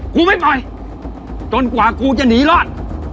กูไม่ปล่อยจนกว่ากูจะหนีรอด